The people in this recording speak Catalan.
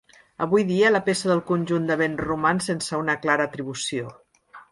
Avui dia, la peça del conjunt de vent roman sense una clara atribució.